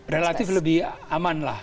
relatif lebih aman lah